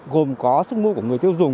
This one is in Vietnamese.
gồm có sức mua của người tiêu dùng